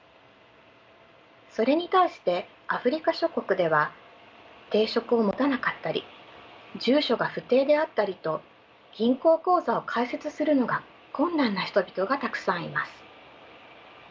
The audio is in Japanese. それに対してアフリカ諸国では定職を持たなかったり住所が不定であったりと銀行口座を開設するのが困難な人々がたくさんいます。